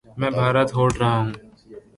میں بھارت ہوٹ رہا ہوں